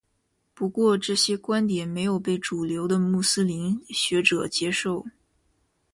不过这些观点没有被主流的穆斯林学者接受。